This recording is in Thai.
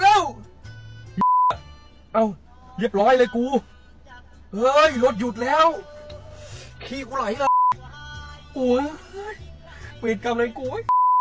เรียบร้อยเลยกูเฮ้ยรถหยุดแล้วคีย์กูไหลเลยโอ้ยเวทกรรมแล้วกู